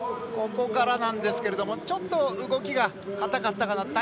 ここからなんですけれどもちょっと、動きが硬かったかな。